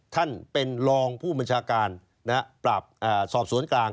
ท่านเป็นรองผู้บัญชาการปราบสอบสวนกลาง